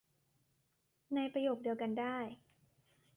ในประโยคเดียวกันได้